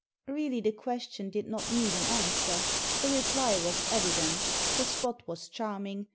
" Really the question did not need an answer. The reply was evident The spot was charming.